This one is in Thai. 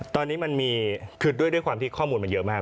ตอนนี้มันมีคือด้วยความที่ข้อมูลมันเยอะมาก